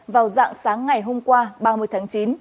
vào dạng sáng ngày hôm qua ba mươi tháng chín